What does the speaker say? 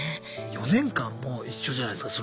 ４年間も一緒じゃないすか